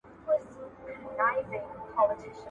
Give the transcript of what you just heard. درېيمه نکته داده.